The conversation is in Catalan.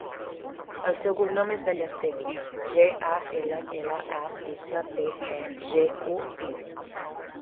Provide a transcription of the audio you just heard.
El seu cognom és Gallastegui: ge, a, ela, ela, a, essa, te, e, ge, u, i.